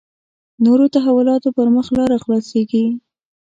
نورو تحولاتو پر مخ لاره خلاصېږي.